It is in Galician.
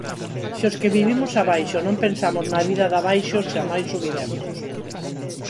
"Se os que vivimos abaixo non pensamos na vida de abaixo, xamais subiremos".